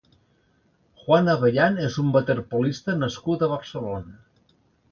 Juan Abellán és un waterpolista nascut a Barcelona.